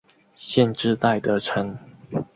县治戴德城。